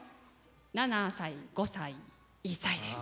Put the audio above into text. ７歳、５歳、１歳です。